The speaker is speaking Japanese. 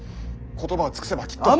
言葉を尽くせばきっと。